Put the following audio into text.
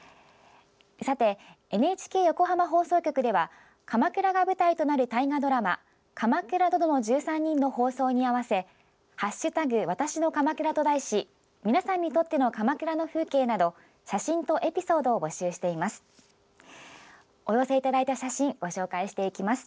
ＮＨＫ横浜放送局では鎌倉が舞台となる大河ドラマ「鎌倉殿の１３人」の放送開始に合わせ「＃わたしの鎌倉」と題し皆さんにとっての鎌倉の風景など写真とエピソードを募集しています。